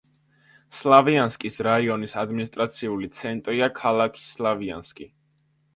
სლავიანსკის რაიონის ადმინისტრაციული ცენტრია ქალაქი სლავიანსკი.